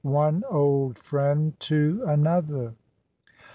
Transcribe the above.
ONE OLD FRIEND TO ANOTHER.